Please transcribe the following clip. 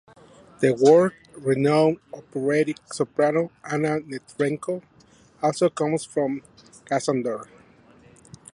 The world-renowned operatic soprano Anna Netrebko also comes from Krasnodar.